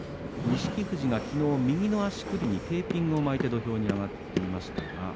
錦富士、きのう右の足首にテーピングを巻いて土俵に上がっていました。